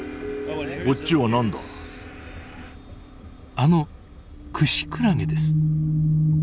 あのクシクラゲです。